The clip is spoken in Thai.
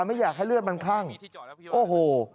ไม่อยากให้เลือดมันคลั่งโอ้โห